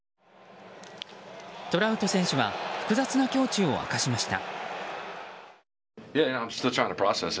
トラウト選手は、複雑な胸中を明かしました。